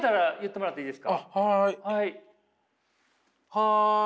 はい。